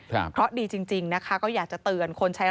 เพราะดีจริงนะคะก็อยากจะเตือนคนใช้